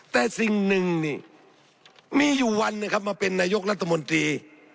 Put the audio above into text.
แต่สิ่งหนึ่งนี่มีอยู่วันนะครับมาเป็นนายกรัฐมนตรี